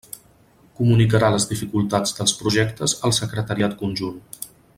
Comunicarà les dificultats dels projectes al Secretariat Conjunt.